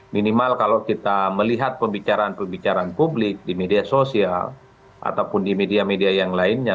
minimal kalau kita melihat pembicaraan pembicaraan publik di media sosial ataupun di media media yang lainnya